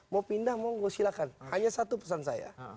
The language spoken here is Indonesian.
mau pindah monggo silahkan hanya satu pesan saya